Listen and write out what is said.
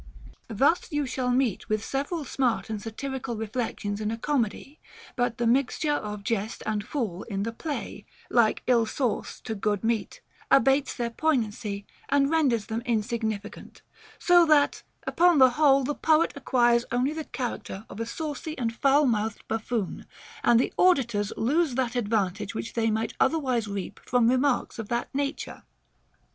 Thus you shall meet with several smart and satirical reflections in a comedy ; but the mixture of jest and fool in the play, like ill sauce to good meat, abates their poign ancy and renders them insignificant ; so that, upon the whole, the poet acquires only the character of a saucy and foul mouthed buffoon, and the auditors lose that advantage which they might otherwise reap from remarks of that nature.